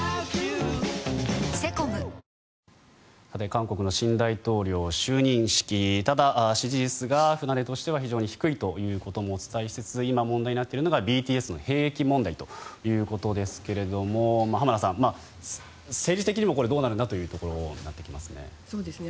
韓国の新大統領就任式ただ、支持率が船出としては非常に低いということもお伝えしつつ今、問題になっているのがＢＴＳの兵役問題ということですが浜田さん、政治的にもどうなるんだというところになってきますね。